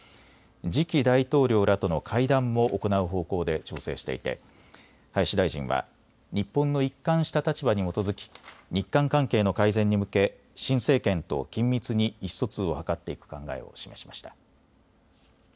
次期大統領らとの会談も行う方向で調整していて林大臣は日本の一貫した立場に基づき日韓関係の改善に向け新政権と緊密に意思疎通を図っていく考えを示しました。